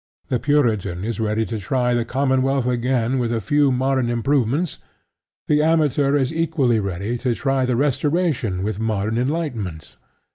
The Puritan is ready to try the Commonwealth again with a few modern improvements: the Amateur is equally ready to try the Restoration with modern enlightenments.